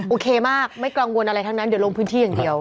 โอเคมากไม่กังวลอะไรทั้งนั้นเดี๋ยวลงพื้นที่อย่างเดียว